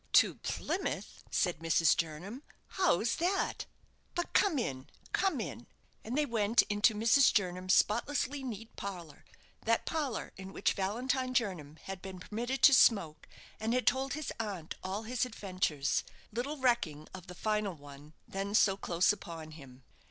"To Plymouth!" said Mrs. Jernam "how's that? but come in, come in" and they went into Mrs. Jernam's spotlessly neat parlour, that parlour in which Valentine Jernam had been permitted to smoke, and had told his aunt all his adventures, little recking of the final one then so close upon him.